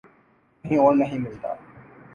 کہیں اور نہیں ملتا۔